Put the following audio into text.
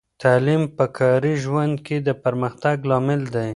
تعلیم په کاري ژوند کې د پرمختګ لامل دی.